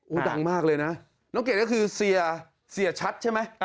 ดังมากเลยนะน้องเกดก็คือเสียชัดใช่ไหม